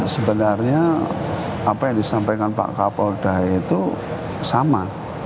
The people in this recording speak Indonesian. sebenarnya apa yang disampaikan pak kapolda itu sama